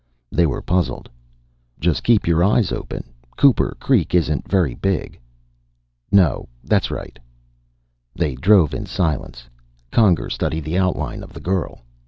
They were puzzled. "Just keep your eyes open. Cooper Creek isn't very big." "No. That's right." They drove in silence. Conger studied the outline of the girl.